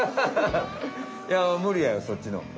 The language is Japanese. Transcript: いやむりやろそっちの。